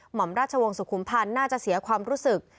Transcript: หมอมราชวงศ์สุขุมพันธ์น่าจะเสียความรู้สึก